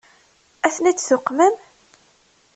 Ad ten-id-tuqmem?